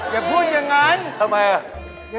อย่าพูดอย่างนั้นทำไมอ่ะ